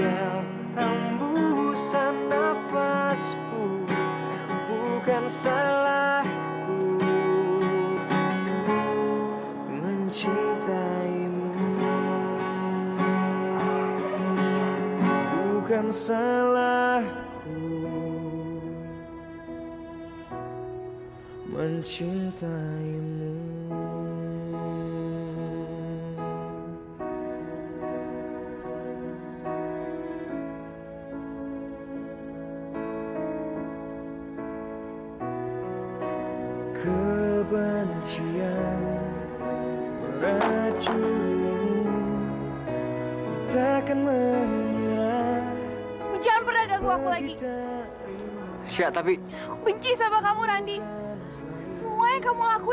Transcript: atau apapun yang ada di perasaan aku